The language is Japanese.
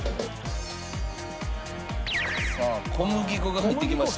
さあ小麦粉が入ってきました。